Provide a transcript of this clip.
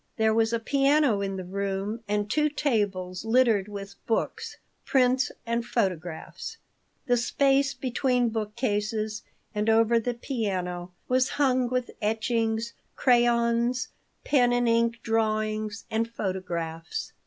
There was a piano in the room and two tables littered with books, prints, and photographs. The space between book cases and over the piano was hung with etchings, crayons, pen and ink drawings, and photographs.